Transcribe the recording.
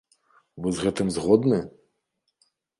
Вы з гэтым згодны?